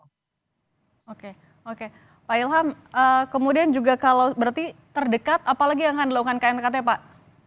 pak ilham kemudian juga kalau berarti terdekat apalagi yang mengandalkan kmkt pak